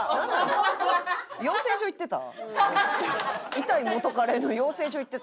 養成所行ってた？